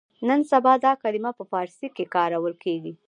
نن سبا دا کلمه په فارسي کې کارول کېږي.